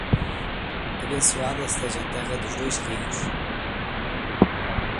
Abençoada seja a terra dos dois rios